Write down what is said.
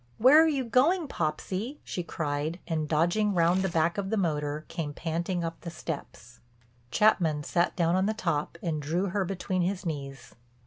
"Where are you going, Popsy?" she cried and, dodging round the back of the motor, came panting up the steps. Chapman sat down on the top, and drew her between his knees.